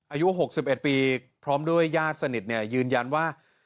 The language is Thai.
อายุ๖๑ปีพร้อมด้วยญาติสนิทยืนยันว่า